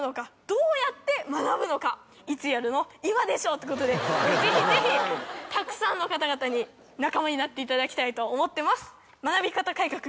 どうやって学ぶのか？ってことでぜひぜひたくさんの方々に仲間になっていただきたいと思ってます。